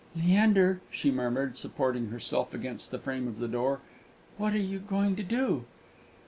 "Leander," she murmured, supporting herself against the frame of the door, "what are you going to do?"